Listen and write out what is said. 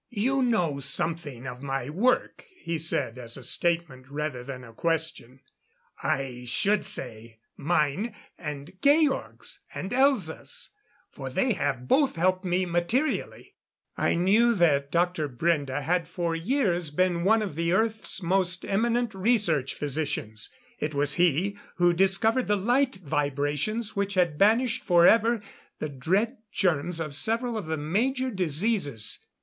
"You know something of my work," he said, as a statement, rather than a question. "I should say, mine and Georg's and Elza's, for they have both helped me materially." I knew that Dr. Brende had for years been one of the Earth's most eminent research physicians. It was he who discovered the light vibrations which had banished forever the dread germs of several of the major diseases.